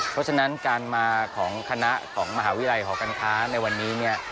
เพราะฉะนั้นการมาของคณะของมหาวิทยาลัยหอการค้าในวันนี้เนี่ย